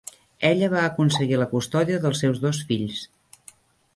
Ella va aconseguir la custòdia dels seus dos fills.